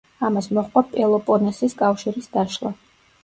ამას მოჰყვა პელოპონესის კავშირის დაშლა.